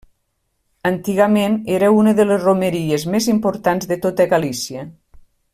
Antigament era una de les romeries més importants de tota Galícia.